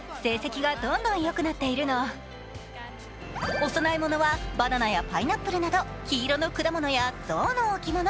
お供え物はバナナやパイナップルなど黄色の果物やゾウの置物。